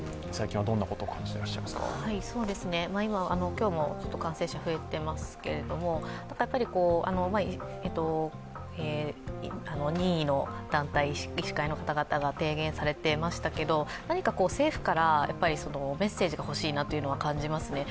今日も感染者が増えていますけれども、任意の団体、医師会の方が提言されていましたけれども何か政府からメッセージが欲しいなというのは感じますね。